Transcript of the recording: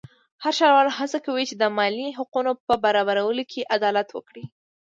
هر ښاروال هڅه کوي چې د مالیې د حقونو په برابرولو کې عدالت وکړي.